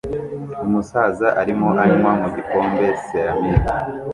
Umusaza arimo anywa mu gikombe ceramic